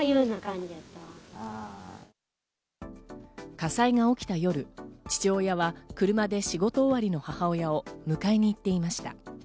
火災が起きた夜、父親は車で仕事終わりの母親を迎えに行っていました。